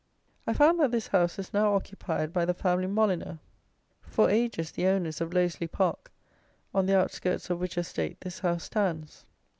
I found that this house is now occupied by the family Molyneux, for ages the owners of Losely Park, on the out skirts of which estate this house stands.